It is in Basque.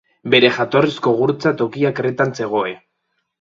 Bere jatorrizko gurtza tokia Kretan zegoen.